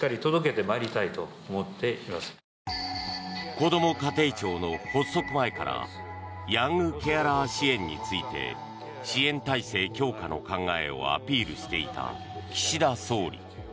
こども家庭庁の発足前からヤングケアラー支援について支援体制強化の考えをアピールしていた岸田総理。